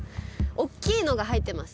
「大きいのが入ってます」